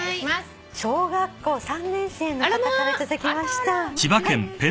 小学校３年生の方から頂きました。